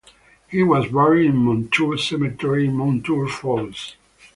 He was buried in Montour Cemetery in Mountour Falls.